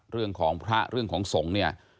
เรื่องของพระเรื่องของสงฆ์เนี่ย